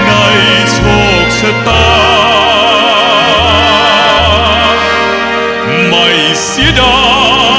ไม่เร่รวนภาวะผวังคิดกังคัน